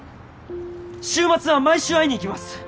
週末は毎週会いに行きます。